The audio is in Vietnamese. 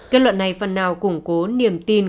kết luận này phần nào củng cố niềm tin